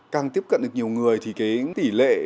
càng tiếp cận được nhiều người thì cái tỷ lệ